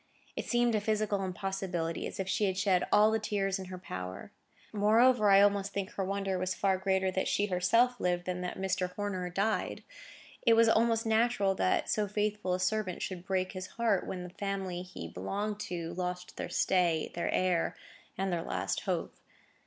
It seemed a physical impossibility, as if she had shed all the tears in her power. Moreover, I almost think her wonder was far greater that she herself lived than that Mr. Horner died. It was almost natural that so faithful a servant should break his heart, when the family he belonged to lost their stay, their heir, and their last hope.